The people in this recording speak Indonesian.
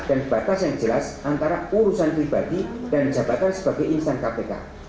dan batas yang jelas antara urusan pribadi dan jabatan sebagai insan kpk